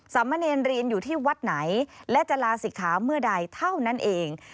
สามเณรเรียนอยู่ที่วัดไหนและจะลาศิกขาเมื่อใดเท่านั้นเอง